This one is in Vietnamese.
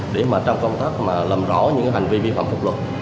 để mà trong công tác mà làm rõ những hành vi vi phạm pháp luật